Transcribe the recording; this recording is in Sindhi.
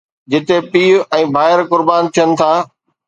جتي پيءُ ۽ ڀائر قربان ٿين ٿا.